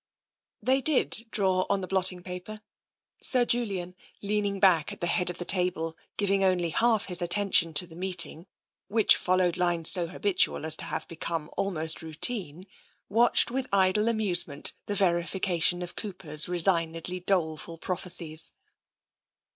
They did draw on the blotting paper. Sir Julian, leaning back at the head of the table, giving only half his attention to the meeting, which followed lines so habitual as to have become almost routine, watched with idle amusement the verification of Cooper's resignedly doleful prophecies.